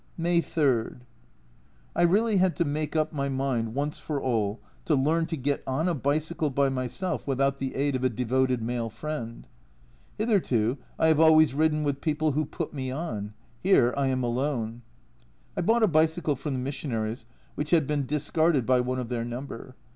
May 3. I really had to make up my mind once for all to learn to get on a bicycle by myself without the A Journal from Japan 149 aid of a devoted male friend. Hitherto I have always ridden with people who put me on here I am alone. I bought a bicycle from the missionaries, which had been discarded by one of their number.